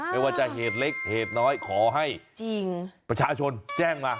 ไม่ว่าจะเหตุเล็กเหตุน้อยขอให้ประชาชนแจ้งมา